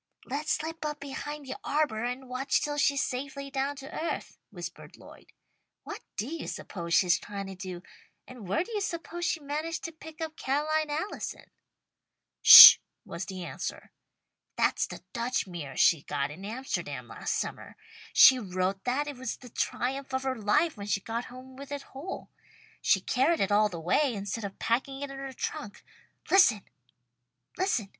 "Let's slip up behind the arbour and watch till she's safely down to earth," whispered Lloyd. "What do you suppose she's trying to do, and where do you suppose she managed to pick up Ca'line Allison?" "Sh!" was the answer. "That's the Dutch mirror she got in Amsterdam last summer. She wrote that it was the triumph of her life when she got home with it whole. She carried it all the way, instead of packing it in her trunk. Listen!